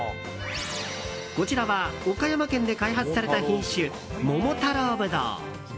こちらは岡山県で開発された品種、桃太郎ぶどう。